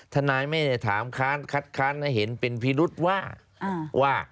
ถ้านายไม่ได้ถามคันคัดคันให้เห็นเป็นพิรุษว่า